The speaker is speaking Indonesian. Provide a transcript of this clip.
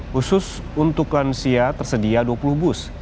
khusus untuk lansia tersedia dua puluh bus